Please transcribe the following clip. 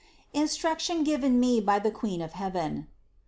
INSTRUCTION GIVEN ME BY THE QUEEN OF HEAVEN.